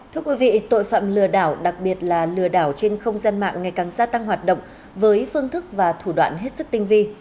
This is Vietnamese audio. thưa quý vị tội phạm lừa đảo đặc biệt là lừa đảo trên không gian mạng ngày càng gia tăng hoạt động với phương thức và thủ đoạn hết sức tinh vi